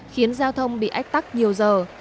khiến giao thông bị ách tắc nhiều giờ